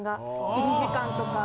入り時間とか。